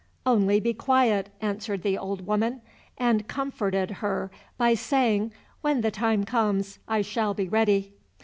"Only be quiet," answered the old woman, and comforted her by saying, "when the time comes I shall be ready."